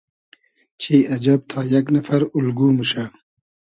چی اجئب تا یئگ نئفر اولگو موشۂ